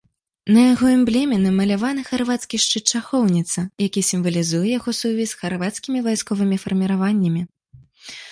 На яго эмблеме намаляваны харвацкі шчыт-шахоўніца, які сімвалізуе яго сувязь з харвацкімі вайсковымі фарміраваннямі.